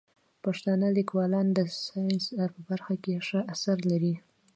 پښتانه لیکوالان د ساینس په برخه کې ښه اثار لري.